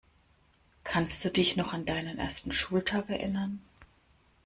Kannst du dich noch an deinen ersten Schultag erinnern?